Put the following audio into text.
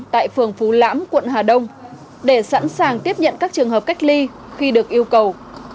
tại phường phú lãm quận hà đông để sẵn sàng tiếp nhận các trường hợp cách ly khi được yêu cầu